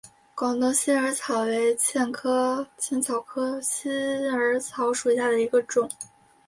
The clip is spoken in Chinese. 广东新耳草为茜草科新耳草属下的一个种。